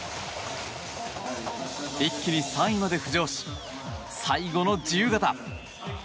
一気に３位まで浮上し最後の自由形。